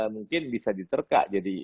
mungkin bisa diterka jadi